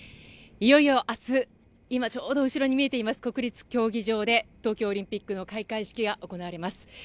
いよいよ明日今ちょうど後ろに見えています国立競技場で東京オリンピックの開会式が行われます。